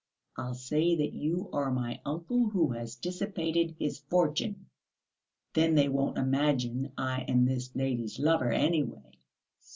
I'll say that you are my uncle who has dissipated his fortune. Then they won't imagine I am this lady's lover, anyway."